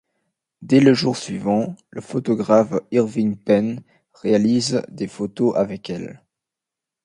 Dès le jour suivant, le photographe Irving Penn réalise des photos avec elle.